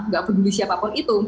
nggak peduli siapapun itu